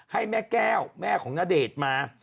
ให้แม่แก้วแม่ของณเดชน์มา